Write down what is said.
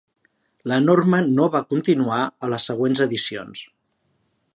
La norma no va continuar a les següents edicions.